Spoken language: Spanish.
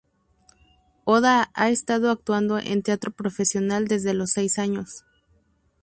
Oda ha estado actuando en teatro profesional desde los seis años.